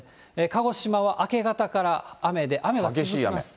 鹿児島は明け方から雨で、雨が強まります。